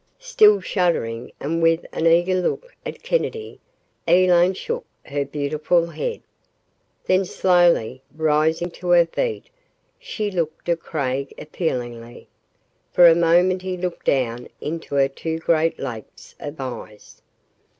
Still shuddering, and with an eager look at Kennedy, Elaine shook her beautiful head. Then, slowly rising to her feet, she looked at Craig appealingly. For a moment he looked down into her two great lakes of eyes.